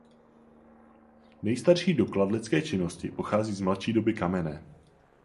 Nejstarší doklad lidské činnosti pochází z mladší doby kamenné.